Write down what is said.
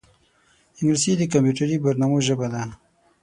انګلیسي د کمپیوټري برنامو ژبه ده